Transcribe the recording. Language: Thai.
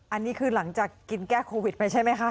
อันนี้คือหลังจากกินแก้โควิดไปใช่ไหมคะ